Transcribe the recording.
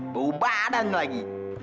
bau badan lagi